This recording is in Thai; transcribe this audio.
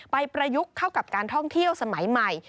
ประยุกต์เข้ากับการท่องเที่ยวสมัยใหม่